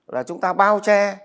là chúng ta bao che